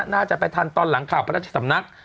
น่าจะไปทันตอนหลังข่าวพระราชสำนัก